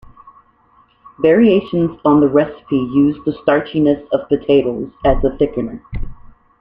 Variations on the recipe use the starchiness of potato as a thickener.